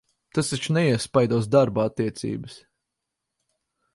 Tas taču neiespaidos darba attiecības?